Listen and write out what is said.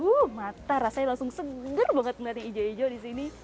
wuh mata rasanya langsung seger banget melihatnya hijau hijau disini